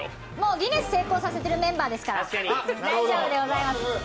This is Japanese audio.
ギネス成功させてるメンバーですから大丈夫でございます。